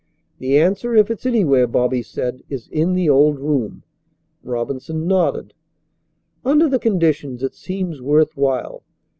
"The answer, if it's anywhere," Bobby said, "is in the old room." Robinson nodded. "Under the conditions it seems worth while.